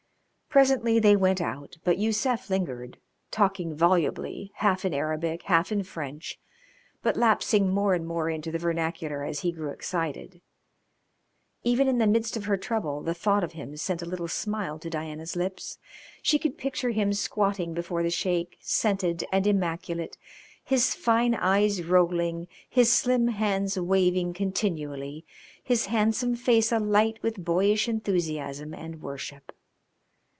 Presently they went out, but Yusef lingered, talking volubly, half in Arabic, half in French, but lapsing more and more into the vernacular as he grew excited. Even in the midst of her trouble the thought of him sent a little smile to Diana's lips. She could picture him squatting before the Sheik, scented and immaculate, his fine eyes rolling, his slim hands waving continually, his handsome face alight with boyish enthusiasm and worship.